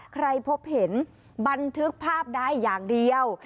ใครพบเห็นบันทึกภาพได้อย่างเดียว